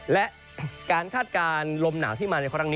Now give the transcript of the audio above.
และการคาดการณ์ลมหนาวที่มาในครั้งนี้